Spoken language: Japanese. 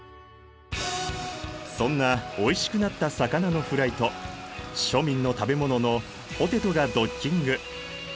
そんなおいしくなった魚のフライと庶民の食べ物のポテトがドッキング！